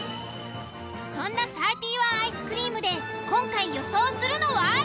そんな「サーティワンアイスクリーム」で今回予想するのは？